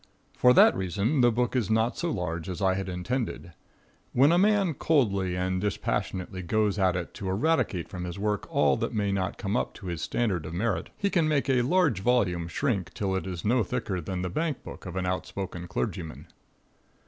For that reason the book is not so large as I had intended. When a man coldly and dispassionately goes at it to eradicate from his work all that may not come up to his standard of merit, he can make a large volume shrink till it is no thicker than the bank book of an outspoken clergyman.